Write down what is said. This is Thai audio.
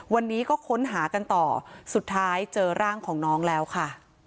วันนี้ก็ค้นหากันต่อสุดท้ายเจอร่างของน้องแล้วค่ะ